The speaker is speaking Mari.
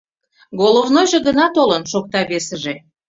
— Головнойжо гына толын, — шокта весыже.